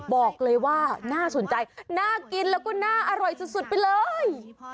บอกเลยว่าน่าสนใจน่ากินแล้วก็น่าอร่อยสุดไปเลย